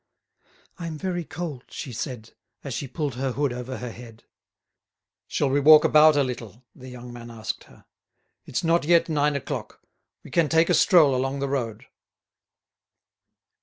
"I'm very cold," she said, as she pulled her hood over her head. "Shall we walk about a little?" the young man asked her. "It's not yet nine o'clock; we can take a stroll along the road."